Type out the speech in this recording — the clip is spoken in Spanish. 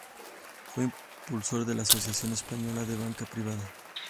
Fue impulsor de la Asociación Española de Banca Privada.